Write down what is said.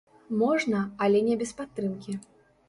Можна, але не без падтрымкі.